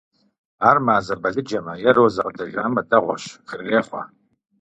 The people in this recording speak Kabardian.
Ар мазэ балыджэмэ е розэ къыдэжамэ – дэгъуэщ, хырырехъуэ.